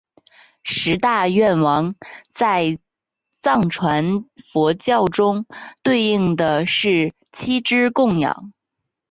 十大愿王在藏传佛教中对应的是七支供养。